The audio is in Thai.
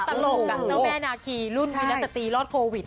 ตลกเจ้าแม่นาคีรุ่นวิรสตรีรอดโควิด